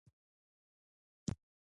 درېیمه مولفه بې عدالتي ده.